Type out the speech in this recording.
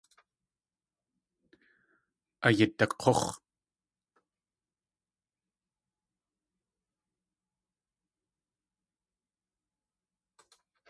Ayidak̲úx̲!